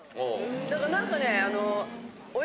だからなんかね。